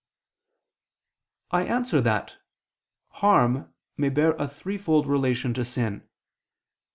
I answer that, Harm may bear a threefold relation to sin.